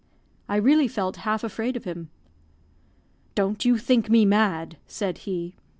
I really felt half afraid of him. "Don't you think me mad!" said he.